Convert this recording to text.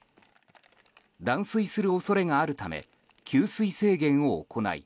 断水する恐れがあるため給水制限を行い